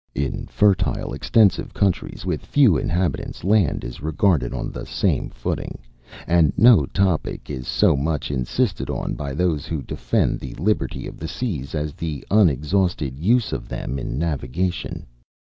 In fertile extensive countries, with few inhabitants, land is regarded on the same footing. And no topic is so much insisted on by those who defend the liberty of the seas, as the unexhausted use of them in navigation.